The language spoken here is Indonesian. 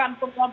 gak pernah lagi